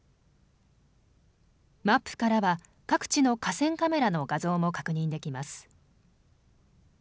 マップからは各地の河川カメラの画像も確認できます。